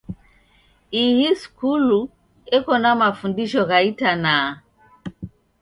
Ihii skulu eko na mafundisho gha itanaa.